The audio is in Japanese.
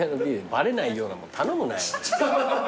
バレないようなもん頼むなよ。